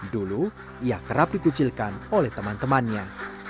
dulu ia kerap dikucilkan oleh teman temannya